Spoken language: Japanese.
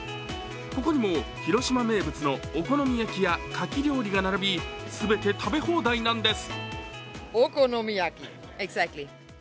ここにも広島名物のお好み焼きやかき料理が並びすべて食べ放題なんです。